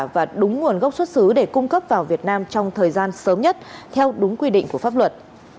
và đúng nguồn gốc xuất xứ để cung cấp vào việt nam trong thời gian sớm nhất theo đúng quy định của pháp luật